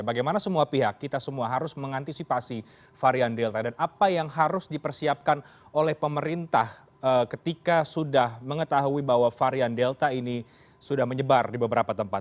bagaimana semua pihak kita semua harus mengantisipasi varian delta dan apa yang harus dipersiapkan oleh pemerintah ketika sudah mengetahui bahwa varian delta ini sudah menyebar di beberapa tempat